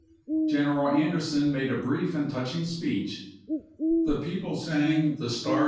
General Anderson made a brief and touching speech, the people sang " The Star Api.